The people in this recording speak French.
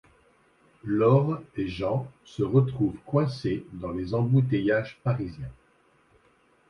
Laure et Jean se retrouvent coincés dans les embouteillages parisiens.